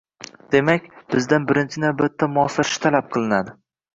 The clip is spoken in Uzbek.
— Demak, bizdan birinchi navbatda moslashish talab qilinadi